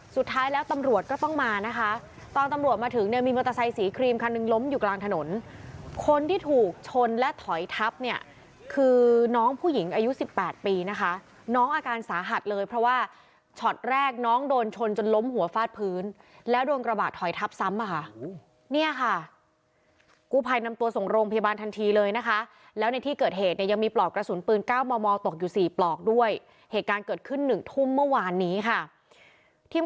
คือเป็นว่าวงจรปิดของบ้านที่จะได้ยินเสียงเร่งเครื่องด่าได้ยินเสียงตะโกนด่าได้ยินเสียงเร่งเครื่องด่าได้ยินเสียงเร่งเครื่องด่าได้ยินเสียงเร่งเครื่องด่าได้ยินเสียงเร่งเครื่องด่าได้ยินเสียงเร่งเครื่องด่าได้ยินเสียงเร่งเครื่องด่าได้ยินเสียงเร่งเครื่องด่าได้ยินเสียงเร่งเครื่องด่าได้ยินเสียง